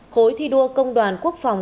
khối thi đua công đoàn quốc phòng